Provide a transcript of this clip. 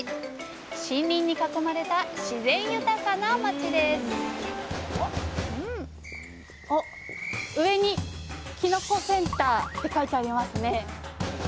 森林に囲まれた自然豊かな町です上に「きのこセンター」って書いてありますね！